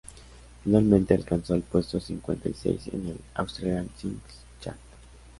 Finalmente, alcanzó el puesto cincuenta y seis en el "Australian Singles Chart".